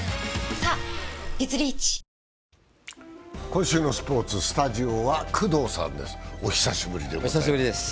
今週のスポーツ、スタジオは工藤さんです、お久しぶりです。